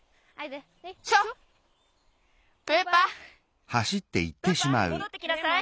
プパもどってきなさい！